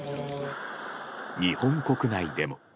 日本国内でも。